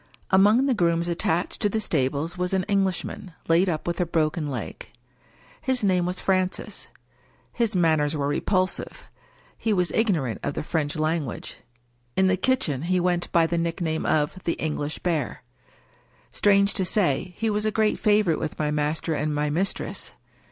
Among the grooms attached to the stables was an Eng lishman, laid up with a broken leg. His name was Francis. His manners were repulsive ; he was ignorant of the French language. In the kitchen he went by the nickname of the " English Bear." Strange to say, he was a great favorite with my master and my mistress.